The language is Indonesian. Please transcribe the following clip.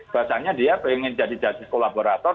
bahasanya dia ingin jadi jasik kolaborator